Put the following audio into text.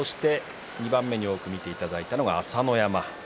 ２番目に多く見ていただいたのは朝乃山。